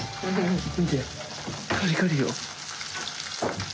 見てカリカリよ。